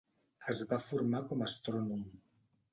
Es va formar com a astrònom.